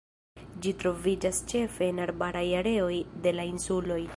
Ĝi troviĝas ĉefe en arbaraj areoj de la insuloj.